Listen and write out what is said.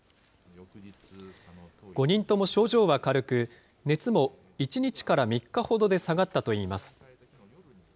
５人とも症状は軽く、熱も１日から３日ほどで下がったといいます。